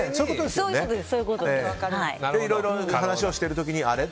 いろいろお話をしている時にあれ？